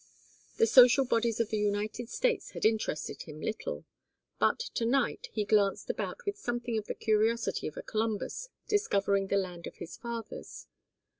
The social bodies of the United States had interested him little, but to night he glanced about with something of the curiosity of a Columbus discovering the land of his fathers.